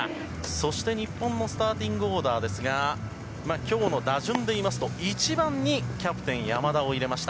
そして日本のスターティングオーダーですが、きょうの打順で言いますと、１番にキャプテン、山田を入れました。